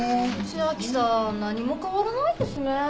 千明さん何も変わらないですね。